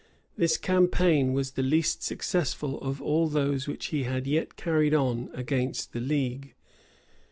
This campaign was the least successful of all those which he had yet carried on against the league.